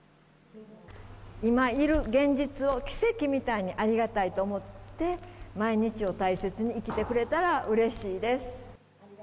今いる現実を、奇跡みたいにありがたいと思って、毎日を大切に生きてくれたらうれしいです。